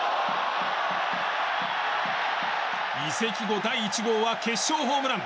移籍後第１号は決勝ホームラン！